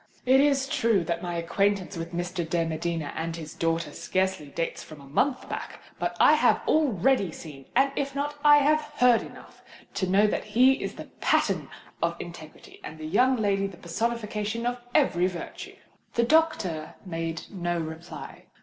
It is true that my acquaintance with Mr. de Medina and his daughter scarcely dates from a month back; but I have already seen—and if not, I have heard enough of them, to know that he is the pattern of integrity and the young lady the personification of every virtue." The doctor made no reply.